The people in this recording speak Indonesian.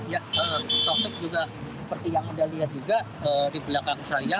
ya seperti yang anda lihat juga di belakang saya